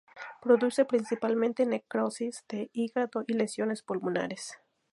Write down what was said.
Produce principalmente necrosis de hígado y lesiones pulmonares.